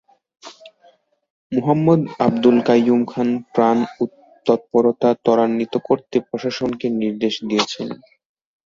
মুহম্মদ আবদুল কাইয়ুম খান ত্রাণ তৎপরতা ত্বরান্বিত করতে প্রশাসনকে নির্দেশ দিয়েছেন।